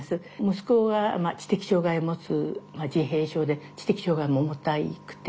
息子が知的障害をもつ自閉症で知的障害も重たくて。